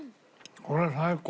これ最高！